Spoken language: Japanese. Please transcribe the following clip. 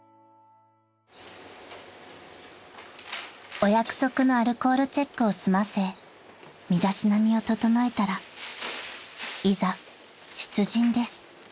［お約束のアルコールチェックを済ませ身だしなみを整えたらいざ出陣です］